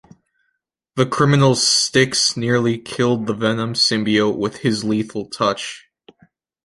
The criminal Styx nearly killed the Venom symbiote with his lethal touch.